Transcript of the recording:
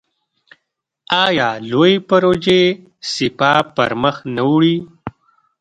آیا لویې پروژې سپاه پرمخ نه وړي؟